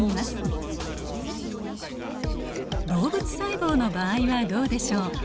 動物細胞の場合はどうでしょう？